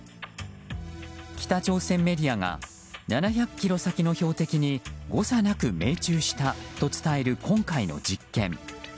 北朝鮮メディアが７００ｋｍ先の標的に誤差なく命中したと伝える今回の実験。